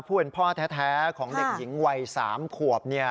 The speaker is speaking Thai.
พ่อแท้ของเด็กหญิงวัย๓ขวบ